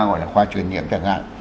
gọi là khoa truyền nhiễm chẳng hạn